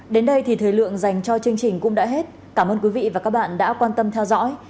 đến đây thì thời lượng dành cho chương trình cũng đã hết cảm ơn quý vị và các bạn đã quan tâm theo dõi